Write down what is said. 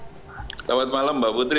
selamat malam mbak putri